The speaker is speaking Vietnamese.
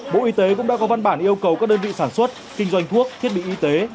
bộ y tế cũng đã có văn bản yêu cầu các đơn vị sản xuất kinh doanh thuốc thiết bị y tế